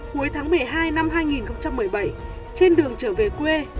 cuối tháng một mươi hai năm hai nghìn một mươi bảy trên đường trở về quê